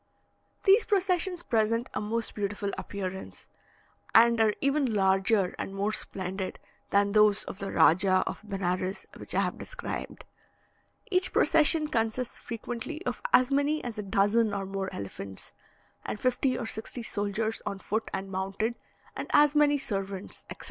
These processions present a most beautiful appearance, and are even larger and more splendid than those of the Rajah of Benares, which I have described. Each procession consists frequently of as many as a dozen or more elephants, and fifty or sixty soldiers on foot and mounted, and as many servants, etc.